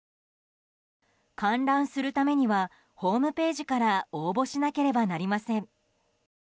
観覧するためにはホームページから応募しなければなりません。